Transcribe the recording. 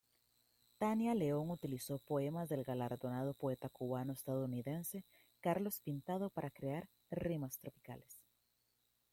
Tania León utilizó poemas del galardonado poeta cubano-estadounidense Carlos Pintado para crear "Rimas tropicales".